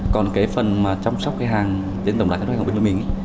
còn phần chăm sóc khách hàng trên tổng đài khách hàng bên mình